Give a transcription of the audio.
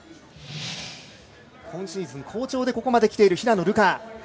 今シーズン好調でここまできている平野流佳。